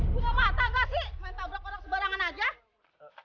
buka mata gak sih main tabrak orang sebarangan aja